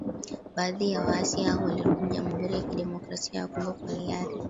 Baadhi ya waasi hao walirudi Jamuhuri ya Kidemokrasia ya Kongo kwa hiari